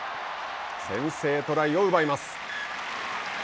先制トライを奪います。